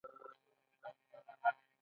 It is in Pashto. د قانون پر وړاندې برابري نن بدیهي ده.